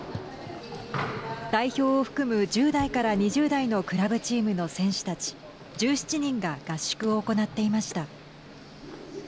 代表を含む１０代から２０代のクラブチームの選手たち１７人が合宿を行っていました。